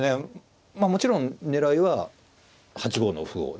まあもちろん狙いは８五の歩をね